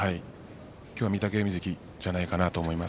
今日は御嶽海関じゃないかなと思います。